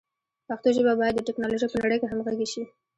پښتو ژبه باید د ټکنالوژۍ په نړۍ کې همغږي شي.